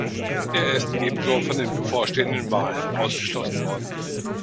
Er ist ebenso von den bevorstehenden Wahlen ausgeschlossen worden.